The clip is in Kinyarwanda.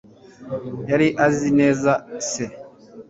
Yari azi neza se?